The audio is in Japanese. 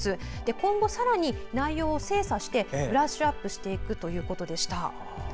今後、さらに内容を精査してブラッシュアップしていくということでした。